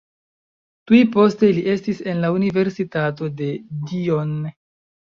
Tuj poste li estis en la Universitato de Dijon.